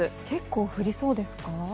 結構、降りそうですか？